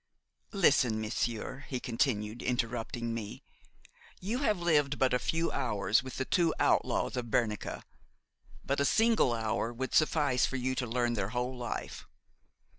"Listen, monsieur," he continued, interrupting me; "you have lived but a few hours with the two outlaws of Bernica, but a single hour would suffice for you to learn their whole life.